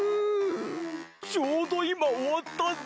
ちょうどいまおわったぜ。